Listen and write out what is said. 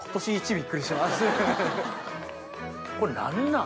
これ何なん？